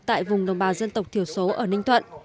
tại vùng đồng bào dân tộc thiểu số ở ninh thuận